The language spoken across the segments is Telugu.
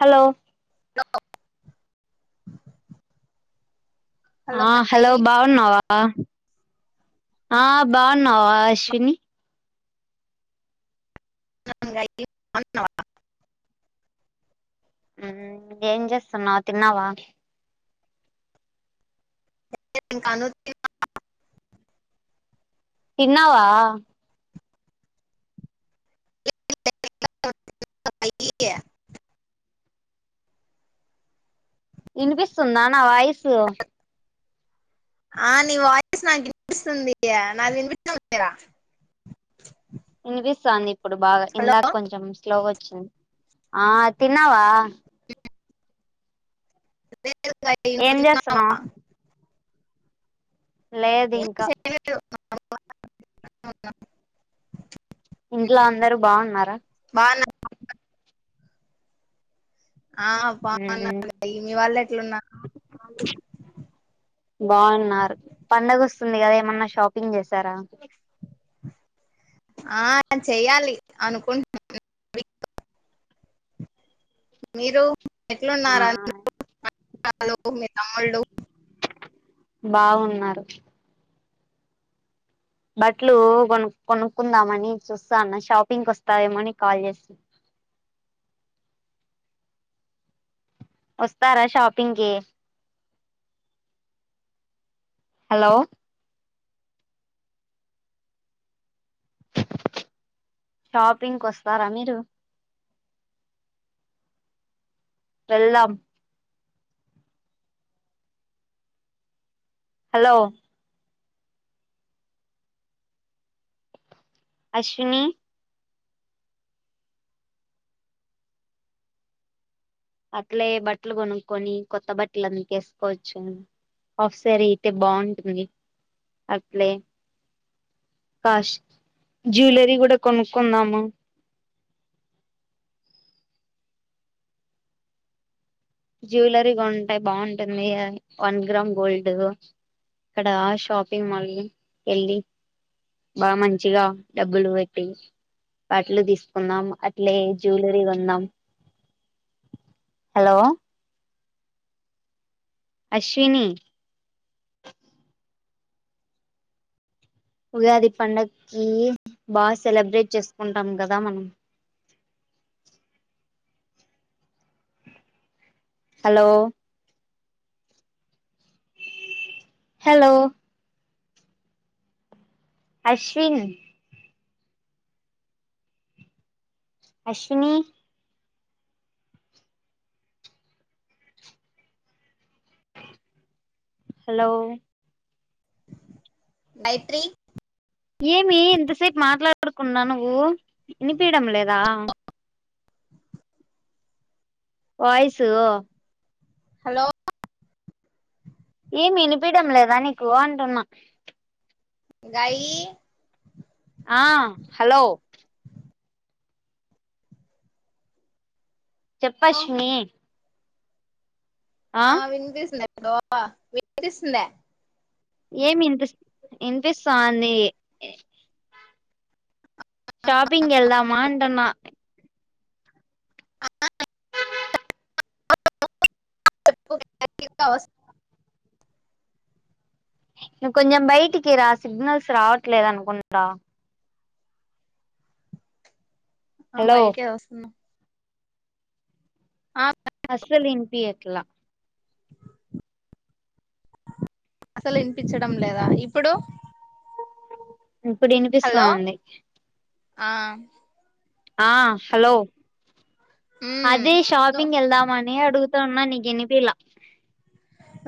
హలో [unintelligible] ఆ హలో బాగున్నావా వా ఆ బాగున్నావా షిన్ని [unintelligible] ఏం చేస్తున్నావ్ తిన్నావా [unintelligible] తిన్నావా [unintelligible] ఇన్పిస్తుందా నా వాయిస్ ఆ నీ వాయిస్ నాక్ ఇన్పిస్తుంది నాద్ విన్పిస్తుందా లేదా ఇన్పిస్తాంది. ఇప్పుడు బాగా హలో ఇందాక కొంచం స్లోగా వచ్చింది ఆ తిన్నావా లే ఏం చేస్తున్నావ్ [unintelligible] లేదు ఏ ఇంకా [unintelligible] ఇంట్లో అందరు బాగున్నారా బాగున్నా ఆ బాగున్నారు మీ వాళ్ళు ఎట్లున్నారు స్తుంది కదా ఏమన్నా షాపింగ్ చేశారా ఆ చెయ్యాలి అనుకుంటు [inaudible] మీరు ఆ ఎట్లున్నార్ అందరూ [inaudible] లో మీ తమ్ముళ్ళు బాగున్నారు. బట్లు కొను కొనుక్కుందామని చూస్తాన్న షాపింగ్క్ వస్తావేమో అని కాల్ చేస వస్తారా షాపింగ్కి హలో షాపింగ్కి వస్తారా మీరు వెళ్దాం. హలో అశ్విని అట్లే బట్టలు కొనుక్కొని కొత్త బట్టలు అందుకేసుకోవచ్చు ఆఫసర్ అయితే బాగుంటుంది అట్లే కాష్ జ్యువలరీ కూడా కొనుకుందాము జ్యువెలరీగా ఉంటాయి బాగుంటుంది వన్ గ్రామ్ గోల్డ్ ఇక్కడ షాపింగ్ మాల్ వెళ్ళి బా మంచిగా డబ్బులు పెట్టి బట్టలు తీసుకుందాం అట్లే జ్యువెలరీ కొందాం హలో అశ్విని ఉగాది పండగకి బాగా సెలబ్రేట్ చేసుకుంటాం కదా మనం hello hello Ashwin Ashwini hello Maitri ఏమి ఇంతసేపు మాట్లాడుకుండ నువ్వు వినిపియడం లేదా వయిసు హలో వినిపిడం లేదా నీకు అంటున్నా గయి ఆ హలో చెప్ప అశ్వినీ ఆ వినిపిస్తుంది ఒ అమ్మ వినిపిస్తుందా ఏమి ఇ ఇనిపిస్తోంది షాపింగ్ వెళ్దామంటన అ ఓస్ నువ్ కొంచెం బయటికి రా సిగ్నల్స్ రావట్లేదు అనుకుంటా ఆ హలో బయటే వస్తున్నా ఆ అస్సలు వినిపియట్లే అసలు ఇనిపించడం లేదా ఇప్పుడు ఇప్పుడు హలో వినిపిస్తాంది ఆ ఆ హలో మ్మ్ అదే ను షాపింగ్ ఎళ్దామా నేనే అడుగుతా ఉన్నా నికినిపియలే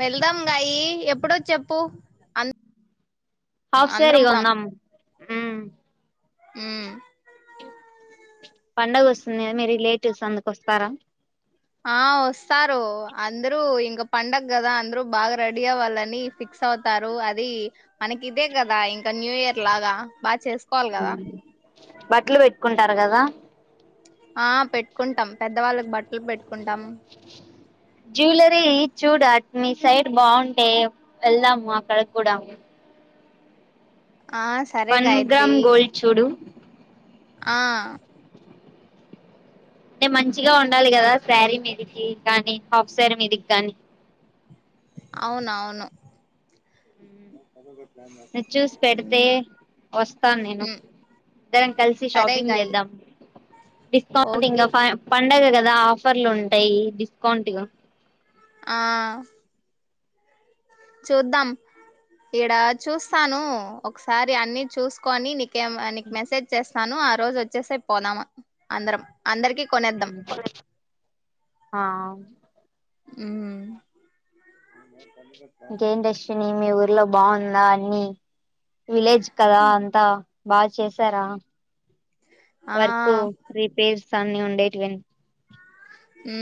వెళ్దాం గాయి ఎప్పుడో చెప్పు హాఫ్ శారి అందరం కొందాం ఉ ఊ పండుగ వస్తుంది మీ రిలేటివ్స్ అందరూ వస్తారా ఆ వస్తారు అందరూ ఇంగ పండగ కదా అందరు బాగా రెడీ అవ్వాలని ఫిక్స్ అవుతారు అది మనకి ఇదే కదా ఇంకా న్యూ ఇయర్ లాగా బాగా చేస్ కోవాలి కదా బట్టలు పెట్టుకుంటారు కదా ఆ పెట్టుకుంటాం పెద్దవాళ్ళకి బట్టలు పెట్టుకుంటాం జ్యువలరీ చూడు అటు మీ సైడ్ బాగుంటే వెళ్దాము అక్కడికి కూడా ఆ సరే వన్ గాయత్రి గ్రామ్ గోల్డ్ చూడు ఆ అంటే మంచిగా ఉండాలి కదా శారీ మీదికి కానీ హాఫ్ శారీ మీదికి కానీ అవునవును నువ్ చూసి పెడితే వస్తాను నేను మ్మ్ ఇద్దరం కలిసి సరే షాపింగ్ గాయి చేద్దాం డిస్కౌంట్ ఓకే ఇంగా ప పండగదా కదా ఆఫర్లు ఉంటాయి డిస్కౌంట్ ఆ చూద్దాం ఇడా చూస్తాను ఒకసారి అన్ని చూసుకొని నీ కేం అని మెసేజ్ చేస్తా తాను ఆ రోజు వచ్చేసే పోదామ అందరం అందరికీ కొనేద్దాం ఆ ఊ ఇంకేంటి అశ్వినీ మీ ఊరు ఇళ్ళో బాగుందా అన్ని విలేజ్ కదా అంతా బాగా చేసారా ఆ వర్క్ రిపేర్స్ సన్నీ ఉండేట్వంటి ఉ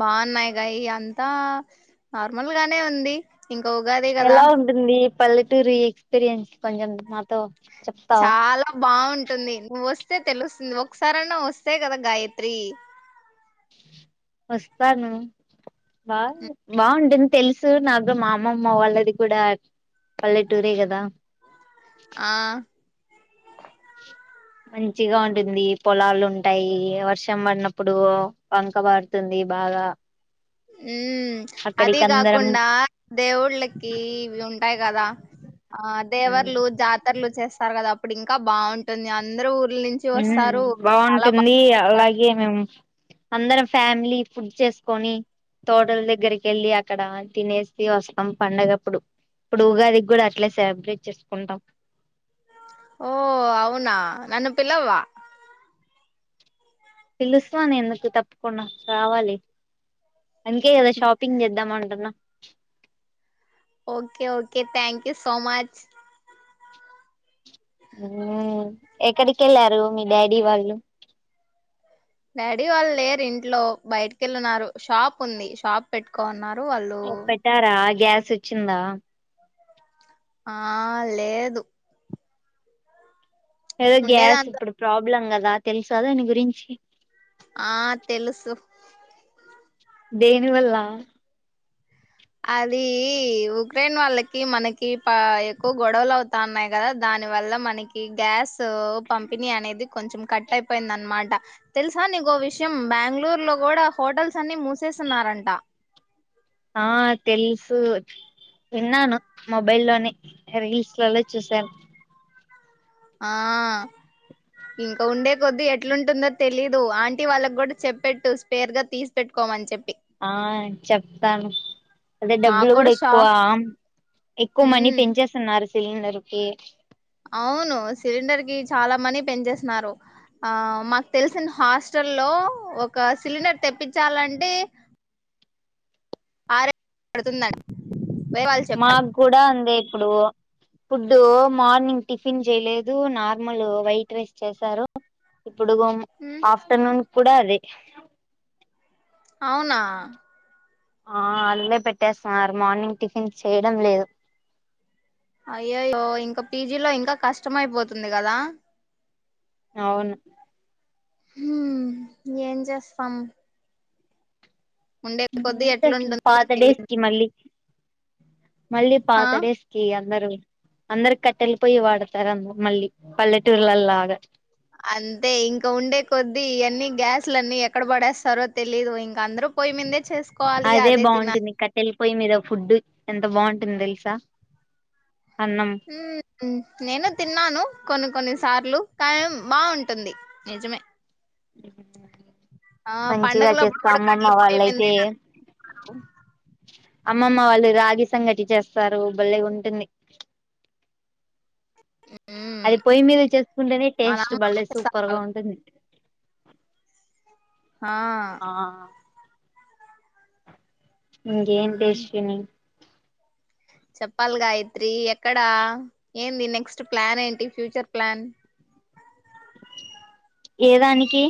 బాగున్నాయి గాయి అంతా నార్మల్ గానే ఉంది ఇంకా ఉగాది కదా ఎలా ఉంటుంది పల్లెటూరి ఎక్స్పీరియన్స్ కొంచెం మాతో చెప్తావా చాలా బాగుంటుంది నువ్వు వస్త వస్తే తెలుస్తుంది ఒకసారన్న వస్తే కదా గాయత్రి వస్తాను బా బాగుడిందా తెలుసు నాకు మా అమ్మమ్మ వాళ్ళది కూడా పల్లెటూరే కదా ఆ మంచిగా ఉంటుంది పొలాలు ఉంటాయి వర్షం పడినప్పుడు వంక పారుతుంది బాగా ఉ అది అక్కడికి అందరం కాకుండా దేవుళ్ళకి ఇవి ఉంటాయి కదా ఆ దేవర్లు జాతరలు చేస్త కదా అప్పుడు ఇంకా బాగుంటుంది అందరూ ఊ బాగుంటుంది చేస్తారు. అలాగే మేము అందరం ఫ్యామిలీ ఫుడ్ చేసుకొని తోటల దగ్గరకి వెళ్ళి అక్కడ తినేసి వస్తాం పండగప్పుడు ఇప్పుడు ఉగాదికి కూడా అట్లా సెలబ్రేట్ చేసుకుంటాం ఓ అవునా నన్ను పిలవవా పిలుస్తాను ఎందుకు తప్పకుండా రావాలి అందుకే కదా షాపింగ్ చేద్దామ అంటున్నా okay okay thank you so much ఎక్కడికి వెళ్ళారు మీ డాడీ వాళ్ళు డాడీ వాళ్ళు లేరు ఇంట్లో బయటికెళ్ళున్నారు షాప్ ఉంది షాప్ పెట్టుకోన్నారు ఓ పెట్టారా గ్యాస్ సి వచ్చిందా ఆ లేదు ఏదో గ్యాస్ ఉండేదాంట్లో ఇప్పుడు ప్రాబ్ల ఇబ్లం కదా తెలుసా దాని గురించి ఆ తెలుసు దేని వల్ల అది ఉక్రెన్ వాళ్ళకి మనకి ఎక్కువ గొడవలు అవుతా ఉన్నాయి కదా దాని వల్ల మనకి గ్యాస్ పంపిణీ అనేది కొంచెం కట్ అయిపోయింది అనమాట తెలుసా నీకు విషయం బెంగళూరు లో కూడా హోటల్స్ అన్ని మూసేస్తున్నారంట ఆ తెలుసు విన్నాను మొబైల్ లోని రీల్స్ లోనీ చూసాను ఆ ఇంకా ఉండే కొద్ది ఎట్లుంటుందో తెలీదు ఆంటీ వాళ్ళకు కూడా చెప్పెట్టు స్పేర్ గా తీసి పెట్టుకోమని చెప్పి ఆ చెప్తాను అదే మాకు డబ్బులు కూడా షా ఎక్కువ ఎక్కువ మనీ ఉమ్ పెంచేస్తున్నారు సిలిండర్ కి అవును సిలిండర్ కి చాలా మనీ పెంచేసన్నారు ఆ మాకు తెలిసిన హాస్టల్లో ఒక సిలిండర్ తెప్పించాలంటే ఆరే పడుతుందండి వేరే వాళ్ళు చెప్పారు మాక్కూడా అంతే ఇప్పుడు ఫుడ్డు మార్నింగ్ టిఫిన్ చేయలేదు నార్మల్ వైట్ రైస్ చేశారు ఇప్పుడుగు హ్మ్ ఆఫ్టర్నూన్ కుడ అదే అవునా ఆ అల్లే పెట్టేస్తున్నారు మార్నింగ్ టిఫిన్ చేయడం లేదు అయ్యయ్యో ఇంకా పీజీలో ఇంకా కష్టమ అయిపోతుంది కదా అవును హ ఏం చేస్తాం ఉండే కొద్దీ అంత ఎట్లుంటుందో పాత తెలీదు డేస్కి మళ్ళీ మళ్ళీ ఆ పాతడే స్కీయా అందరు అందరు కట్టెళ్ళిపోయి వాడతారు అందరు మళ్ళీ పల్లెటూర్లలాగా అంతే ఇంకా ఉండే కొద్ది అన్ని గ్యాస్లు అన్ని ఎక్కడ పడేస్తారో తెలీదు ఇంక అందరు పోయి మీందే చేస్త అదే బాగుంటుంది కట్టెలు పొయ్యి మీద ఫుడ్డు ఎంత బాగుంటుంది తెలుసా అన్నం హ్మ్ మ్మ్ నేను తిన్నాను కొన్ని కొన్ని సార్లు కాయం బాగుంటుంది నిజమే ఆ మంచిగా పండగలప్పుడు చెప్తా కూడా అమ్మమ్మ కట్టెల పొయ్యి వాళ్ళయితే మీందే కదా అమ్మమ్మ వాళ్ళు రాగి సంగటి చేస్తారు భలేగుంటుంది హ్మ్ అది పొయ్యి మీద చేసుకుంటేనే మా టేస్ట్ నాన్న బాగా భలే సూపర్ గా చేస్తారు. ఉంటుంది ఆ ఆ ఇంకేంటి మ్మ్ యశ్విని చెప్పాలి గాయత్రి ఎక్కడా ఏంది నెక్స్ట్ ప్లాన్ ఏంటి ఫ్యూచర్ ప్లాన్ ఏదానికి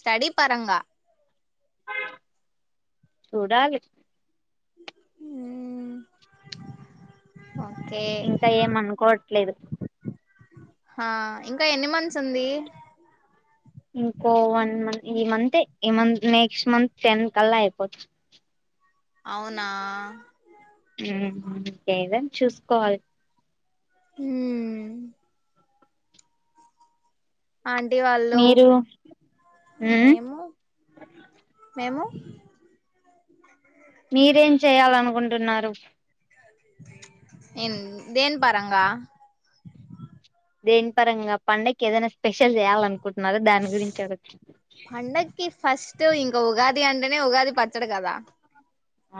స్టడీ పరంగా చూడాలి మ్మ్ ఓకే ఇంకా ఏం అనుకోట్ లేదు ఆ ఇంకా ఎన్ని మంత్స్ ఉంది ఇంకో వన్ మంత్ ఈ మంతే ఈ మంత్ నెక్స్ట్ మంత్ టెన్ కల్లా అయిపోతు అవునా హ్మ్ ఇంకేదన్నా చూసుకోవాలి మ్మ్ ఆంటీ వాళ్ళు మీరు ఉమ్ మేము మేము మీరేం చేయాలనుకుంటున్నారు ఎన్ దేని పరంగా దేని పరంగా పండక్కి ఏదైనా స్పెషల్ చేయాల అనుకుంటున్నారా దాని గురించి అడుగు పండక్కి ఫస్ట్ ఇంక ఉగాది అంటేనే ఉగాది పచ్చడి కదా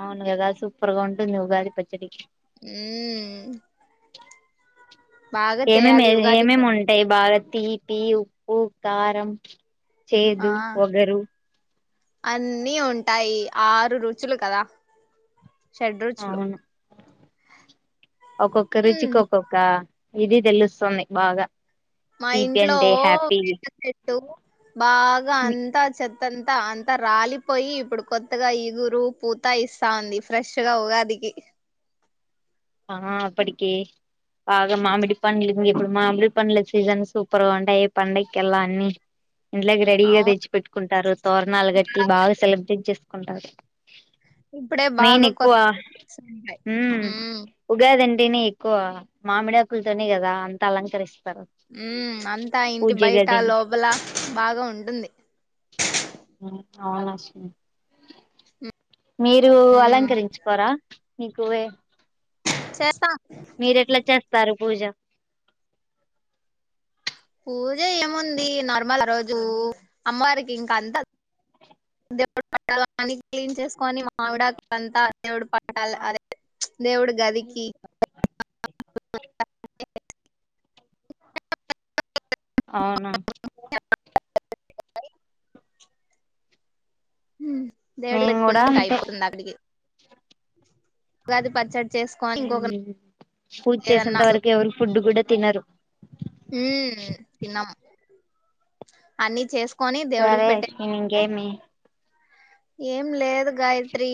అవును కదా సూపర్గా ఉంటుంది ఉగాది పచ్చడి హ్మ్ ఏమేమి ఉగాది ఏమేమి పచ్చడి ఉంటాయి బాగా తీపి ఉప్పు కారం ఆ చేదు వగరు అన్నీ ఉంటాయి ఆరు రుచులు కదా షడ్రుచులు అవును ఒక్కొక్క మ్మ్ రుచికి ఒక్కొక్క ఇది తెలుస్తుంది బాగా మా తీపి ఇంట్లో అంటే హ్యాపీ వేప చెట్టు బాగా అంతా చెత్తం అంత అంతా రాలిపోయి ఇప్పుడు కొత్తగా ఇగురు పూతా ఇస్తా ఉంది ఫ్రెష్ గా ఉగాదికి ఆ అప్పటికి బాగా మామిడి పండ్లు ఇప్పుడు మామిడి పండ్ల సీజన్ సూపర్గా ఉంటాయి పండగకేల్లా అన్ని ఇంట్లోకి రెడీగా అవును తెచ్చి పెట్టుకుంటారూ తోరణాలు కట్టి బాగా సెలబ్రేట్ చేసుకుం కొంటారు ఇప్పుడే బాగా కొత్తగా వచ్చింతాయి హ్మ్మ్ ఉగాదండి ఇంటిని ఎక్కువ మామిడికులతోనే కదా అంత అలంకరిస్త ఉ అంతా ఇంటి బయట గదిని లోపల బాగా ఉంటుంది అవునా స మీరు ఉమ్ అలంకరించుకోరా నికు వే చేస్తా మీరు ఎట్లా చేస్తారు పూజ పూజ ఏముంది నార్మల్ ఆ రోజు అమ్మవారికి ఇంకా అంతా దేవుడు పటలు అన్ని క్లీన్ చేసుకొని మామిడాకులు అంతా దేవుడు పట లు అదే దేవుడు గదికి [unintelligible] అవునా దేవుడి మేము కూడా పెట్టుకుంటే అంతే అయిపోతుంది అక్కడికి ఉగాది పచ్చడి చేసుకొని ఇంకొక హమ్ పూజ చేసేంత ఏదన్నా సు వరకు ఎవరు ఫుడ్ కూడా తినరు అన్నీ చేసు సరే ఇంకేమి ఏం లేదు గాయత్రి